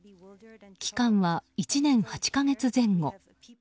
期間は１年８か月前後。